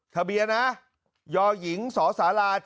ประเบียนะยหญิงสศ๗๑๔๖